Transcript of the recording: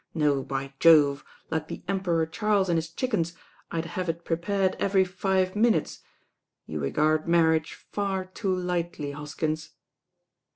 No, by Jove I like the Emperor Charles and his chickens, I'd have it prepared every five minutes. You re gard marriage far too lightly, Hoskins."